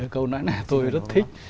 câu nói này tôi rất thích